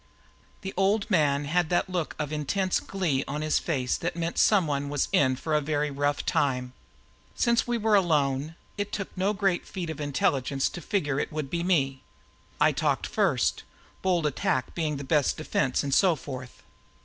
The Old Man had that look of intense glee on his face that meant someone was in for a very rough time. Since we were alone, it took no great feat of intelligence to figure it would be me. I talked first, bold attack being the best defense and so forth.